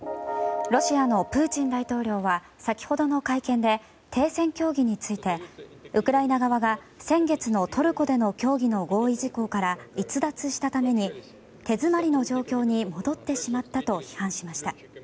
ロシアのプーチン大統領は先ほどの会見で停戦協議についてウクライナ側が先月のトルコでの協議の合意事項から逸脱したために手詰まりの状況に戻ってしまったと批判しました。